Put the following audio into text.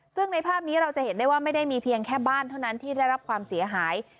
ซึ่งในภาพนี้เราจะเห็นได้ว่าไม่ได้มีเพียงแค่บ้านเท่านั้นที่ได้รับความเสียหาย